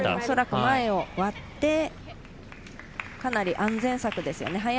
恐らく前を割ってかなり安全策ですよね。